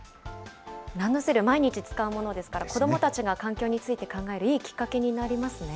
ランドセル、毎日使うものですから、子どもたちが環境について考えるいいきっかけになりますね。